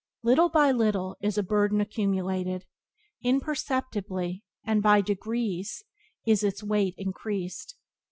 Little by little is a burden accumulated; imperceptibly and by degrees is its weight increased.